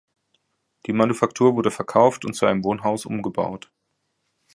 Die Manufaktur wurde verkauft und zu einem Wohnhaus umgebaut.